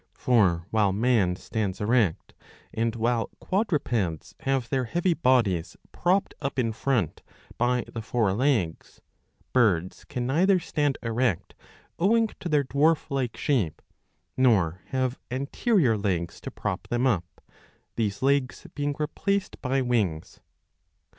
For while man stands erect, and while quadrupeds have their heavy bodies propped up in front by the fore legs, birds can neither stand erect owing to their dwarf like ^^ shape, nor have anterior legs to prop them up, these legs being replaced by wings.